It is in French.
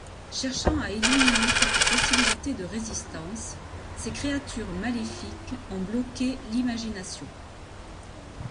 Cherchant à éliminer toute possibilité de résistance, ces créatures maléfiques ont bloqué l'Imagination.